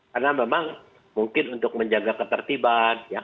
karena memang mungkin untuk menjaga ketertiban